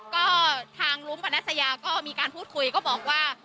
ก็ทางลุ้มปนัสยาก็มีการพูดคุยก็บอกว่า